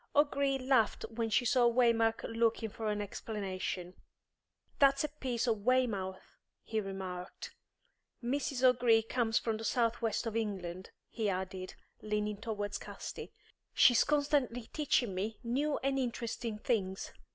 O'Gree laughed when he saw Waymark looking for an explanation. "That's a piece of Weymouth," he remarked. "Mrs. O'Gree comes from the south west of England," he added, leaning towards Casti. "She's constantly teaching me new and interesting things.